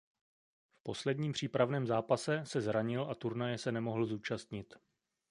V posledním přípravném zápase se zranil a turnaje se nemohl zúčastnit.